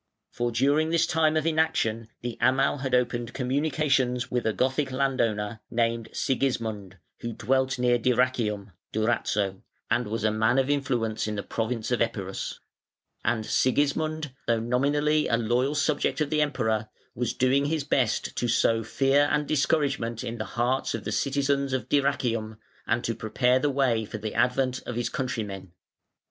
For during this time of inaction the Amal had opened communications with a Gothic landowner, named Sigismund, who dwelt near Dyrrhachium (Durazzo), and was a man of influence in the province of Epirus; and Sigismund, though nominally a loyal subject of the Emperor, was doing his best to sow fear and discouragement in the hearts of the citizens of Dyrrhachium and to prepare the way for the advent of his countrymen.